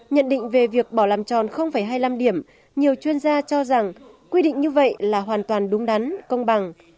nhận định về việc bỏ làm tròn hai mươi năm điểm nhiều chuyên gia cho rằng quy định như vậy là hoàn toàn đúng đắn công bằng